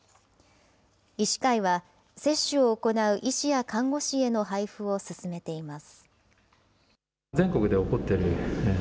医師会は、接種を行う医師や看護師への配付を進めています。